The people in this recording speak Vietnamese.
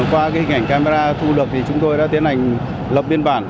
qua hình ảnh camera thu lập chúng tôi đã tiến hành lập biên bản